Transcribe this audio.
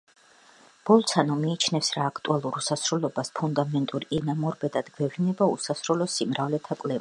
ბოლცანო მიიჩნევს რა აქტუალურ უსასრულობას ფუნდამენტურ იდეად გეორგ კანტორის წინამორბედად გვევლინება უსასრულო სიმრავლეთა კვლევაში.